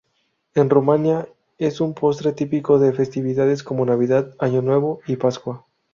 En Rumanía es un postre típico de festividades como Navidad, Año Nuevo y Pascua.